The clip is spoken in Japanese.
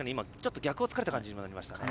逆を突かれたような感じになりましたね。